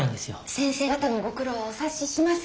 先生方のご苦労はお察しします。